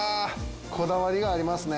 こだわりがありますね。